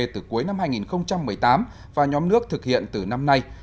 từ cuối năm hai nghìn một mươi tám và nhóm nước thực hiện từ năm nay